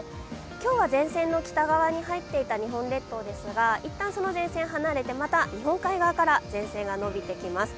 今日は前線の北側に入っていた日本列島ですが一旦その前線を離れてまた日本海側から前線が伸びてきます。